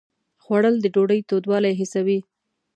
خوړل د ډوډۍ تودوالی حسوي